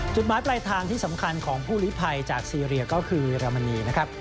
จุดหมายปลายทางที่สำคัญของผู้ลิภัยจากซีเรียก็คือเยอรมนีนะครับ